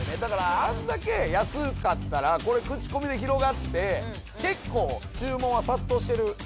あんだけ安かったら口コミで広がって結構注文は殺到してる可能性もありますからね。